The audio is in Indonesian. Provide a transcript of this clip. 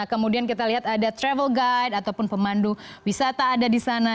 kemudian kita lihat ada travel guide ataupun pemandu wisata ada di sana